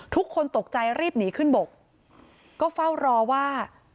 ทุกคนตกใจรีบหนีขึ้นบกก็เฝ้ารอว่า